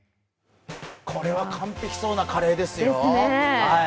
これは完璧そうなカレーですよ。